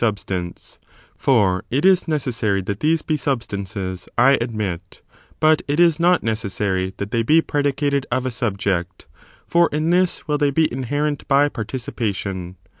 substance; for it is necessary that these be substances, I admit: but it is not necessary that they be predicated of a subject, for in this will they be inherent by participation.